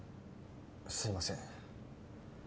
すいません。